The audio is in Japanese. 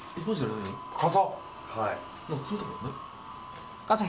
傘？